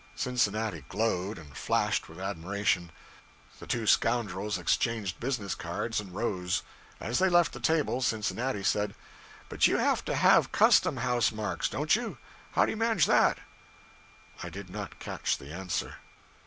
Cincinnati glowed and flashed with admiration. The two scoundrels exchanged business cards, and rose. As they left the table, Cincinnati said 'But you have to have custom house marks, don't you? How do you manage that?' I did not catch the answer.